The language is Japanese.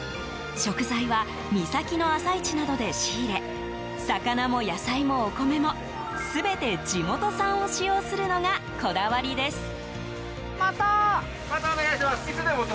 食材は三崎の朝市などで仕入れ魚も野菜もお米も全て地元産を使用するのがこだわりです。